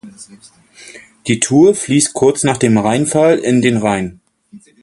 Die Thur fliesst kurz nach dem Rheinfall in den Rhein.